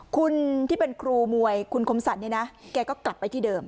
คุณที่เป็นครูมวยคุณคมสรรเนี่ยนะแกก็กลับไปที่เดิม